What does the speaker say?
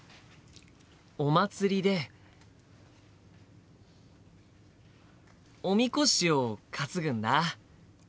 お祭りでおみこしを担ぐんだ。